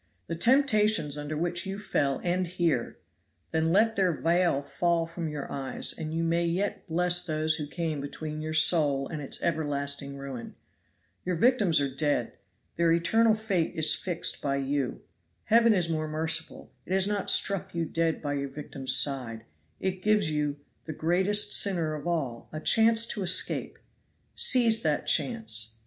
The temptations under which you fell end here; then let their veil fall from your eyes, and you may yet bless those who came between your soul and its everlasting ruin. Your victims are dead; their eternal fate is fixed by you. Heaven is more merciful it has not struck you dead by your victim's side; it gives you, the greatest sinner of all, a chance to escape. Seize that chance.